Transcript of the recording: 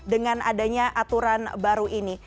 dengan adanya aturan baru ini